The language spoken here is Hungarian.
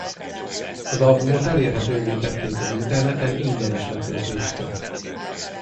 Az albumot elérhetővé tették az interneten ingyenes letöltésre.